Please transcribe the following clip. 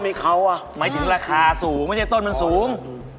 ให้เขาอ่ะหมายถึงราคาสูงไม่ใช่ต้นมันสูง